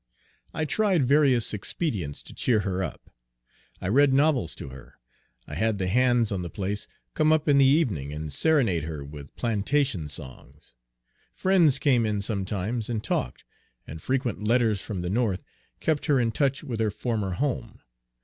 I tried various expedients to cheer her up. I read novels to her. I had the hands on the place come up in the evening and serenade her with plantation songs. Friends came in sometimes and talked, and frequent letters from the North kept her in touch with her former home.